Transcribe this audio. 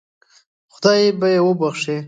خدای به یې وبخشي.